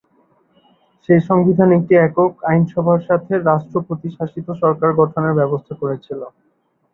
সেই সংবিধান একটি একক আইনসভার সঙ্গে রাষ্ট্রপতি শাসিত সরকার গঠনের ব্যবস্থা করেছিল।